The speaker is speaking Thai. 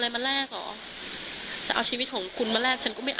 ไปเอาชีวิตของคุณมาแลก